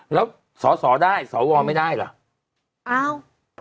แล้วสอสอได้สอวอไม่ได้หรออ้าว